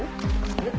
えっ？